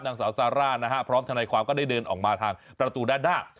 นางสาวซาร่านะฮะพร้อมทนายความก็ได้เดินออกมาทางประตูด้านหน้า